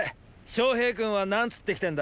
昌平君は何つってきてんだ？